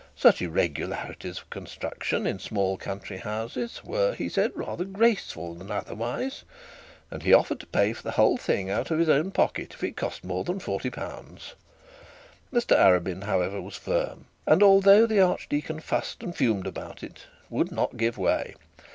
Such irregularities of construction in small country houses were, he said, rather graceful than otherwise, and he offered to pay for the whole thing out of his own pocket if it cost more than forty pounds. Mr Arabin, however, was firm, and, although the archdeacon fussed and fumed about it, would not give way.